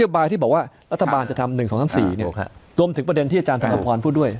บายที่บอกว่ารัฐบาลจะทำ๑๒๓๔รวมถึงประเด็นที่อาจารย์ธนพรพูดด้วย